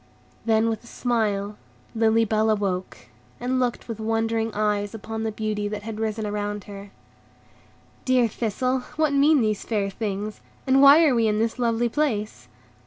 Then, with a smile, Lily Bell awoke, and looked with wondering eyes upon the beauty that had risen round her. "Dear Thistle, what mean these fair things, and why are we in this lovely place?"